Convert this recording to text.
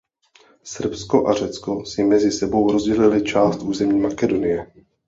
Srbsko a Řecko si mezi sebou rozdělili část území Makedonie.